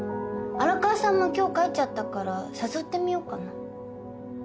荒川さんも今日帰っちゃったから誘ってみようかな。